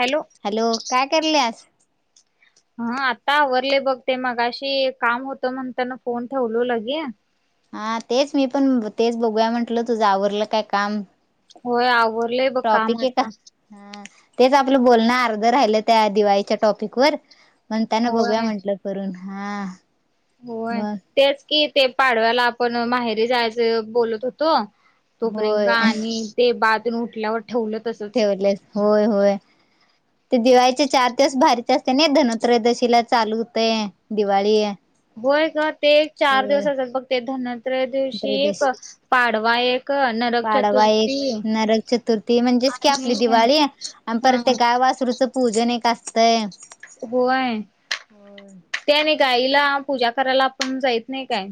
Hello! [inaudible] हा आता आवरले बघ ते मघाशी कामं होतं म्हणताना फोनं ठेवलो लगे हा तेचं मी पण तेचं बघूया म्हटलं तुझं आवरलं काय काम. होय आवरलंय बघं कामं टॉपिक आहे का आता हा तेचं आपलं बोलणं अर्ध राहिलं त्या दिवाळीच्या टॅपिंग वर मग त्यांना बघूया होय म्हंटलं करून हा, होय तेचं कि ते पाडव्याला आपण माहेरी जायचं बोलतं होतो. तोपर्यंत होय आणि ते बाळ तून उठल्यावर ठेवलं तसं. ठेवलेसं होय. होय. ते दिवाळीचे चार दिवस भारीचं असतेनं धनुतेरदशी ला चालू होतेयं दिवाळी होय गं ते एक चार होय दिवस असेल बघं ते धनुतेरदशी दिवशी एक त्रयोदशी पाडवा एक. नरक पाडवा एक चतुर्थी नरक चतुर्थी म्हणजेच की आणि आपली दिवाळी आणि हा परत ते गावं वासरूचं पूजनं एक असतयं होय त्या नाही गाईला पूजा करायला आपण जायततं नाही काय.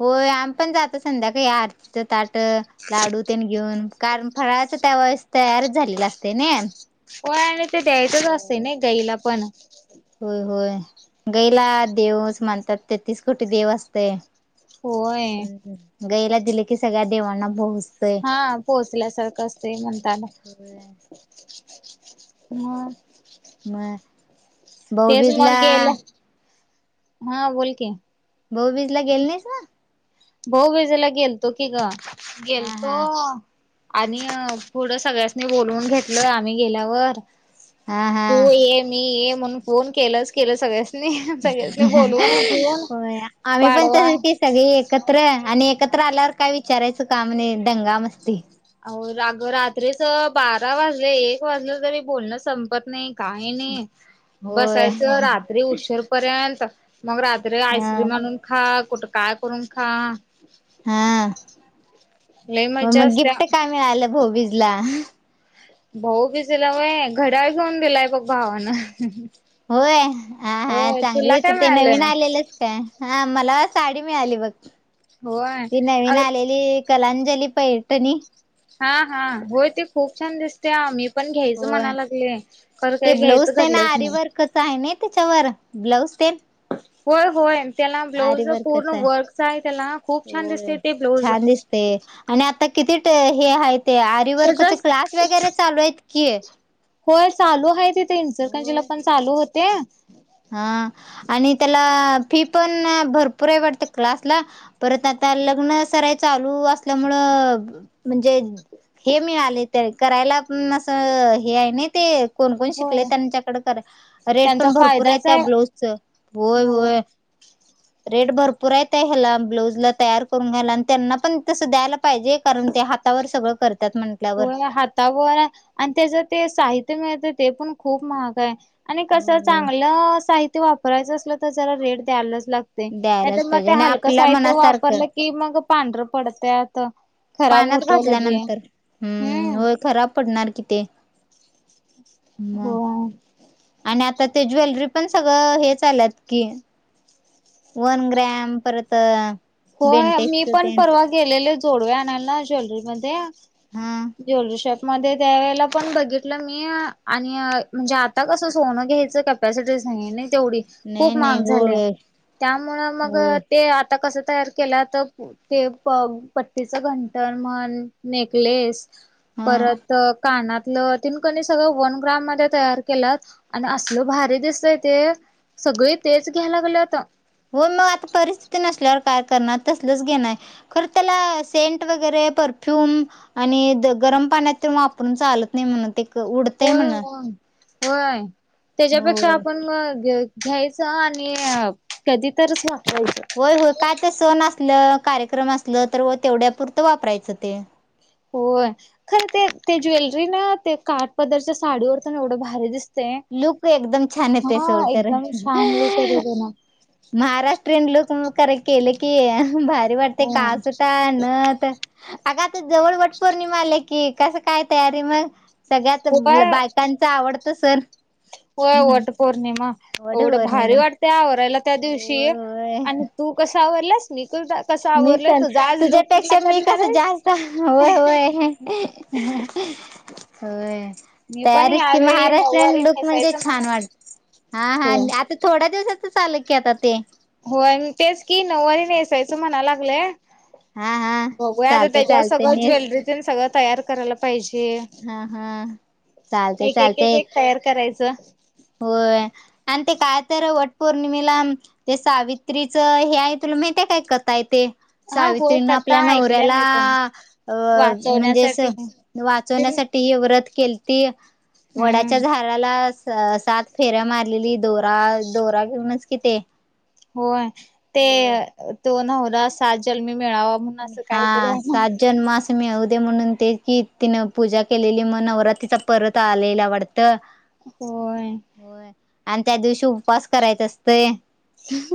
होय आम्ही पण जातो संध्याकाळी या आरतीचं ताटं लाडू त्यांनी घेऊन कारण फराळ त्या वेळेस तयारचं झालेला असते ना. हो आणि ते दयायचे असते ना गाईला पण होय होय गाईला देवचं मानता तेतीसं कोटी देव असतं. होयं गाईला दिले कि सगळ्यां देवांना पोचतंय हा पोहोचल्या सारखं असते म्हणताननां. होय. म. म तेच मग बऊबीजला गेलं हा बोलकी बहबीज ला गेले नाहीस ना भाोऊ वेजाला गेलतो की ग हा गेलतो हा आणि पुढं सगळ्यांसनी बोलवून घेतलय आम्ही गेल्यावर हा हा तू ये मी ये म्हणून फोन केलच केलं सगळ्या हो आम्ही पण पाडवा तस क सगळी एक एकत्र आणि एकत्र आल्यावर काय विचारायचं का म्हणे दंगा मस्ती अग रात्रीच बारा वाजले एक वाजलं तरी बोलणं संपत नाही काही नाही होय. बसायचं रात्री उशीर पर्यंत मग रात त रे हा आईस्क्रीम आणून खा कुठं काय करून खा हा लई मग मज्जा मग असत्या गिफ्ट काय मिळालं भोबीजला भाऊ बिजला म घड्या घेऊन दिलाय बघ भावानं होय हा हा होय चांगली तुला होती काय ते नवीन मिळालं आलेलंचं काय हा मला साडी मिळाली बघं होय ती नवीन अग आलेली. कलाांजली पॆठणी. हा हा होय ते खूप छान दिसते ते आम्ही पण घ्यायचं होय. म्हणा लागले खरं काही घ्यायचं घडलंच नाही कस आहे ना त्याच्यावर ब्लाउज ते होय होय त्याला ब्लाऊज पूर्ण वर्कच आहे. वर्कचा आहे त्याला खूप छान दिसते ते ब्लाऊज ते आणि आता किती हे आहे ते आर वर्कचे त्याच क्लास वगैरे चालू आहेत की होय चालू आहे तिथे इनचरकंजीला होय पण चालू होते हा आणि त्याला फी पण भरपूर आहे वाटते क्लासला परत आता लग्न सराय चालू असल्यामुळं म्हणजे हे मिळालेय तर करायला पण असं हे हाय नय ते कोणकोण शिकलय होय त्यांच्याकड करा रेट त्यांचा पण भरपूर आहेत फायदाच त्या आहे ब्लाऊजच होय हो होय. रेट भरपूर येत ह्याला ब्लाऊज ला तयार करून घ्यायला आणि त्यांना पण तसं द्यायला पाहिजे कारण ते हातावर सगळं करतात म्ह होय हातावर आणि त्याच ते साहित्य मिळतं ते पण खूप महाग आहे. आणि हो कसं हो चांगलं साहित्य वापरायचं असलं तर जरा रेट द्यायलाच लाग त्या द्यायलाच नायतर मग पाहिजे ते आणि हलकं आपल्या साहित्य मनासारखं वापरलं की मग पांढरं पडत्यात. त खराब पाण्यात होतय लगे घातल्यानंतर हम्म होय खराब पडणार कि ते म हो. आणि आता ते ज्वेलरी पण सगळं हेचं आल्यात की, वन ग्रॅम परत होय मी बेंटेक्सच पण तेन परवा गेलेले जोडवे आणायला ज्वेलरी मध्ये हा ज्वेलरी शॉप मध्ये त्यावेळेला पण बघितलं मी आणि म्हणजे आता कसं सोनं घ्यायचं कॅप कॅपॅसिटीच नायये ना तेवढी नाही खूप नाही महाग झाले होय त्यामुळ मग होय ते आत आता कसं तयार केला तर ते प पट्टीचं घंटर म्हन नेकलेस हा परत कानातलं तीन कनय सगळं वन ग्राम मध्ये तयार केलात आणि असल भारी दिसतय ते सगळे तेच घ्यायला लागल्यात. हो मग आता परिस्थिती नसल्यावर काय करणार तसलच घेण खरं त्याला सेंट वगैरे परफ्युम आणि गरम पाण्यात ते वापरून चालत नाय म्हण ते उडतंय होय म्हण मग होय त्याच्यापेक्षा होय आपण मग घ्यायचं आणि कधी तरच वापरायचं होय होय काय तर सण असलं कार्यक्रम असल तर वं तेवढ्यापुरतं वापरायचं ते होय खर ते ते ज्वेलरी ना ते काठ पदरच्या साडीवर तर एवढं भारी दिस लुक एकदम छान येतेय सोड कारण एकदम छान लुक येतो त्याला महाराष्ट्रीयन लूक करे केलं की भारी वाटते का होय. सुटा नत अग आता जवळवट पौर्णिमा आला की कस काय तयारी मग सगळ्यात ब होय बायकांच आवडत सण होय वट पौर्णिमा वट एवढं भारी पौर्णिमा. वाट ते आवरायला त्या दिवशी होय होय आणि तू कस आवरलास निकल दा मी कल तुझ्यापेक्षा मी कस आहेस. जास्त होय होय. होय. मी पण तयारीच की ह्यावेेळी महाराष्ट्रयन नऊवारी लुक म्हणजे नेसायचं छान वाट म्हणाले. हा हा होय. आता थोड्या दिवसातच आल की आता ते होय आणि तेच की नऊवारी नेसायचं म्हणायला लागलंय. हा हा बघूया आता चालते त्याच्यावर चालते सगळं नेस ज्वेलरीतेन सगळं तयार करायला पाहिजे. हा हा चालते एक एक चालते एक एक तयार करायचं. होय आणि ते काय तर वट पौर्णिमेला ते सावित्रीच हे आहे तुला माहितीय काय कथा हाय ते हा होय सावित्रीने कथा आपल्या ऐकल्या नवऱ्याला मी पण अ म्हणजे वाचवण्यासाठी असं ते वाचवण्यासाठी व्रत केलती हम्म वडाच्या झाडाला सं सात फेऱ्या मारलेली दोरा दोरा घेऊनच कि ते होय ते होय. तो नवरा सात जन्मी मिळावा म्हणून असं हा काहीतरी आहे सात ना जन्म असा मिळुदे म्हणून ते की तिनं पूजा केलेली मग नवरात्रीचा परत आलेला वाटत ट होय होय आणि त्या दिवशी करायचा असतोय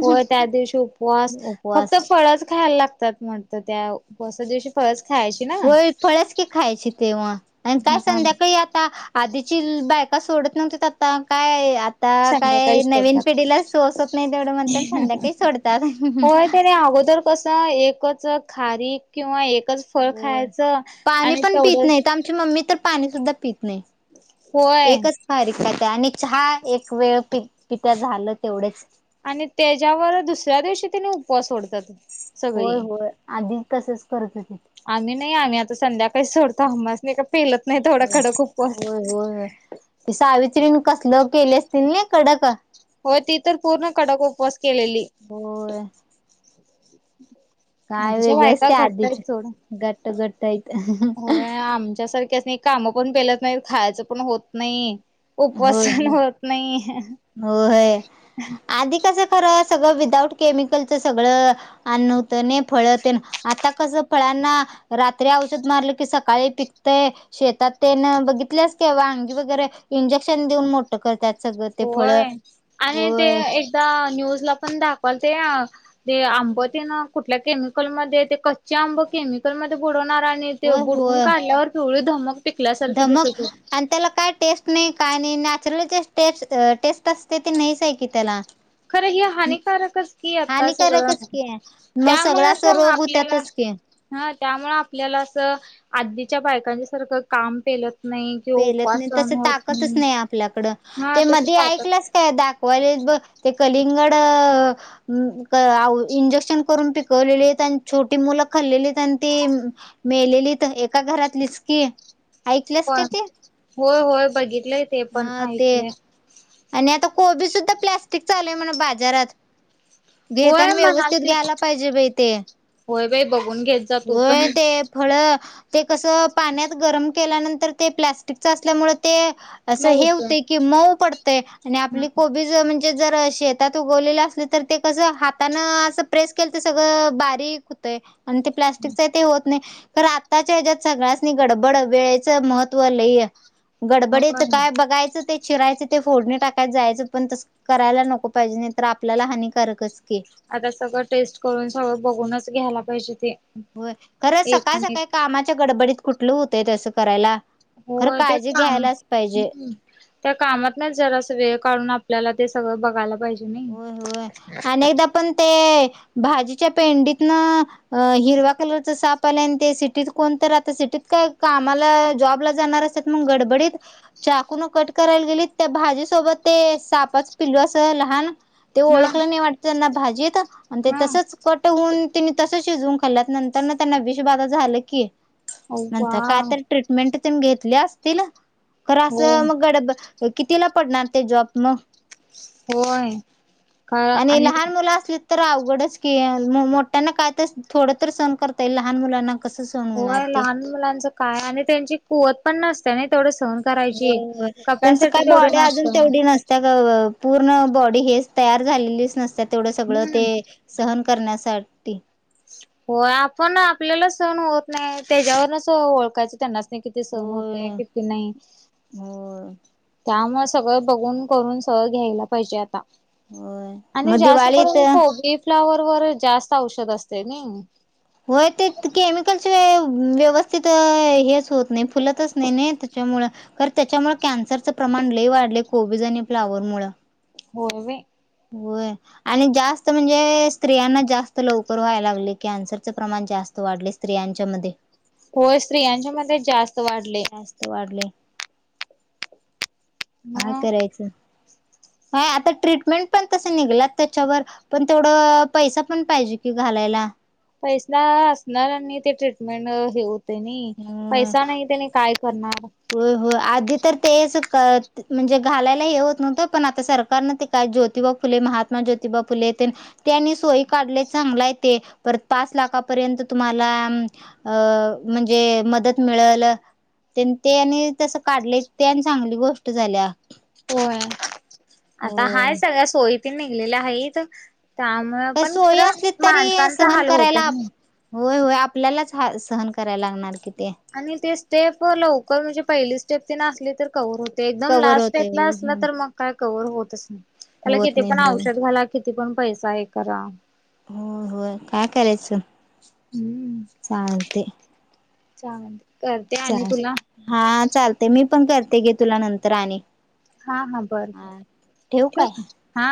होय त्या दिवशी उपवास फक्त उपवास फळच खायला लागत म्हणत त्या उपवासादिवशी फक्त फळच खायची ना होय फळच की खायची तेव्हा आणि काय हा संध्याकाळी आता आधीची बायका सोडत नव्हती आता काय आता काय संध्याकाळी नवीन सोडतात पिढीला सोसत नाही तेवढं म्हणताना संध्याकाळी सोडतात होय त्याने अगोदर कसं एकच खारीक किंवा एकच फळ होय खायचं पाणी आणि पण पित तेवढंच नाहीत आमची मम्मी तर पाणी सुद्धा पित नाही होय एकच खरीक खात्या आणि चहा एक वेळ पि पित्या झालं तेवढेच आणि त्याच्यावर दुसऱ्या दिवशी त्याने उपवास सोडतात होय सगळी होय आधी तसंच करत होतीत आम्ही नाही आम्ही आता संध्याकाळी सोडतो आम्हासनी काय पेलत होय नाही तेवढा कडक होय उपवास होय होय ते सावित्रीन कसल केले असतील ना कडक होय ती तर पूर्ण कडक उपवास केलेली होय काय आधीच्या वेगळंच बायका ते घट आधीच ह्यात सोडा घट्ट घट्ट आहेत होय आमच्यासारखी काम पण पेलत नाहीत खायचं पण होत नाही उपवास होय सहन होय होत नाही होय आधी कसं खरं सगळं विदाऊट केमिकलचं सगळं अन्न होत नी फळ तेन आता कसं फळांना रात्री औषध मारलं की सकाळी पिकतय शेतात तेन बघितल्यास काय वांगी वगैरे इंजेक्शन देऊन मोठं करतात सगळं ते फळ होय आता न्यूज ला पण दाखवालते ते आंब तेन कुठल्या केमिकलमध्ये ते कच्चे आंब केमिकलमध्ये बुडवणार आणि ते होय बुडवून होय काढल्यावर पिवळी धमक पिकल्यासारखी धमक दिसत होती आणि त्याला काय टेस्ट नाही का नाही नॅचरल जे टेस्ट टेस्ट असते ते नाहीच आहे की त्याला खरं हे हानिकारकच की आता हानिकारकच सगळं की आहे मग सगळा अस त्यामुळंच रोग आपल्याला होतातच की हा त्यामुळे आपल्याला असं आधीच्या बायकांच्या सारखं काम पेलत नाही किंवा पेलत उपवास नाही तस सहन होत ताकतच नाही आपल्याकड हा ते तशी मधे ताकद ऐकलंस काय दाखवायलात बग ते कलिंगड इंजेक्शन करून पिकवलेले आहेत आणि छोटी मुलं खाल्लेलीत आणि मेलेलीत एका घरातलीच की ऐकल्या प होय होय बघितलंय ते पण हा ते ऐकलंय आणि आता कोबी सुद्धा प्लॅस्टिकचा आला आहे म्हणा बाजारात होय घेताना व्यवस्थित म्हणालतीत घ्यायला पाहिजे बाई ते होय बाई बघून घेत जा तू पण. होय ते फळ ते कसं पाण्यात गरम केल्यानंतर ते प्लॅस्टिकच असल्यामुळे ते असं हे मऊचं. होतय की मऊ पडतंय आणि आपली हम्म कोबी म्हणजे जर शेतात उगवलेलं असल तर ते कस हाताान असं प्रेस केलं तर सगळं बारीक होतय आणि ते प्लास्टिकच आहे ते होत नाही तर आत्ताच्या ह्याच्यात सगळ्यांसनी गडबड वेळेचं महत्त्व लई हे हो गडबडीत बघाचं ते चिरायचं ते फोडणी टाकायत जायचं पण तस करायला नको पाहिजे नाही तर आपल्याला हानिकारकच की आता सगळं टेस्ट करून सगळं बघूनच घ्यायला पाहिजे ते होय खरं एक सकाळ आणि सकाळी एक कामाच्या गडबडीत कुठलं होतय तसं करायला खरं काळजी घ्यायलाच पाहिजे हम् त्या कामात ना जरास वेळ काढून आपल्याला ते सगळं बघायला पाहिजे होय होय नाही अनेकदा पण ते भाजीच्या पेंडीतन अ हिरवा्या कलरच सापलान ते सिटीत कोणत आता सिटीत काय कामाला जॉबला जाणार अस मग गडबडत चाकुून कट करायला गेली त्या भाजीसोबत ते सापच पिलू असं लहान ते हा ओळखलं नाही वाटत त्यांना भाजी येत आणि ते हा तसंच कट न तिने तसं शिजवून खाल्ल्यात नंतर न त्यांना विष बाधा झालं की अव्वा म्हणता कायतरी ट्रीटमेंट त घेतले असतील तर हो असं मग गड कितीला पडणार ते जॉब मग होय आणि लहान मुलं असली तर अवघडच क मोठ्यांना काय तर थोडं तर सण करता येईल लहान मुलांना कसं सहन होणार होय ते लहान मुलांचं काय आणि त्यांची कुवत पण नसते ना तेथोडं सहन करायची. हो त्यांच कपॅसिटी काही तेवढी बॉडी अजून नसते तेवढी नसते त्या पूर्ण बॉडी हेच तयार झालेलीच नसत तेवढं सगळं ते हम्म. सहन करण्यासाठी हो आपण आपल्याला सण होत नाही त्याच्यावरनच ओळखायचं त्यांना किती सहण होते किती नाही हो त्यामुळे सगळं बघून करून सगळं घ्यायला पाहिजे आता होय आणि मग दिवाळीत जास्तपर्यंतक बी फ्लावर वर जास्त औषध असते ना होय ते केमिकलचे व्यवस्थित हेच होत नाही फुलतच नाही नाही त्याच्यामुळ कार त्याच्यामुळे कॅन्सरचं प्रमाण लय वाढले कोबीज आणि फ्लावर मुळ होय म होय आणि जास्त म्हणजे स्त्रियांना जास्त लवकर व्हायला लागले कॅन्सरचं प्रमाण जास्त वाढले स्त्रियांच्या मध्ये हो स्त्रियांच्या मध्ये जास्त वाढले जास्त वाढले काय मग करायचं ह आता ट्रीटमेंट पण तसे निघलात त्याच्यावर पण तेवढं पैसा पण पाहिजे कि घालायला पैसा असणार आणि ते ट्रीटमेंट हेऊ नी होय पैसा नाही त्यानी काय करणार होय हो आधी तर तेच म्हणजे घालायला हे होत नव्हतं पण आता सरकारनं ते काय ज्योतिबा फुले महात्मा ज्योतिबा फुले ते त्यानी सोय काढले चांगलाय ते परत पाच लाखापर्यंत तुम्हाला अ म्हणजे मदत मिळेल ते आणि तस काढले ते आणि चांगली गोष्ट झाल्या होय आता होय हाय सगळ्या सोयी पी निघलेल्या आहेत पण सोयी खर असली तरी माणसांचा सहन हाल होतय करायला ना होय होय आपल्यालाच ह सहन करायला लागणार कि ते आणि ते स्टेप लवकर म्हणजे पहिली स्टेप त नसली तर कवर्हवर होते ते एकदम कवर लास्ट होतय टापला होय असलं होय. तर मग काय कवर्ह होतच नाही त्याला होत किती नाही पण हो औषध घाला किती पण पैसा आहे करा हो हो काय करायचं चालते छ म्हते करते आणि चाल तुला हा चालते मी पण करते गे तुला नंतर आणि हा हा बर बर ठेवू काय ठक हा